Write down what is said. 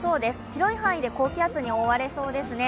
広い範囲で高気圧に覆われそうですね。